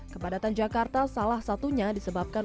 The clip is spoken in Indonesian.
kepadatan jakarta salah satunya disebabkan